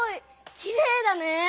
きれいだね。